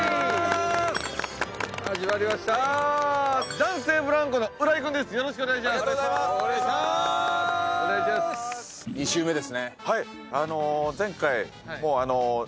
男性ブランコの浦井君です。